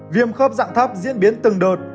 viêm khớp dạng thấp diễn biến từng đợt